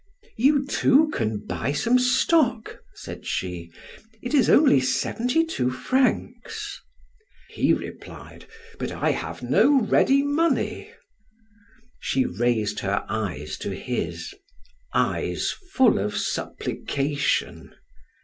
"You too can buy some stock," said she; "it is only seventy two francs." He replied: "But I have no ready money." She raised her eyes to his eyes full of supplication.